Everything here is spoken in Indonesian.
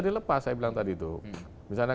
dilepas saya bilang tadi itu misalnya